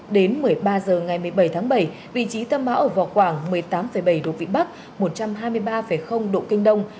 đến một mươi ba h ngày một mươi bảy tháng bảy vị trí tâm bão ở vào khoảng một mươi tám bảy độ vĩ bắc một trăm hai mươi ba độ kinh đông